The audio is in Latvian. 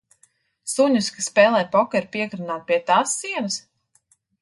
Suņus, kas spēlē pokeru, piekarināt pie tās sienas?